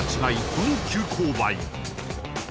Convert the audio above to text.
この急勾配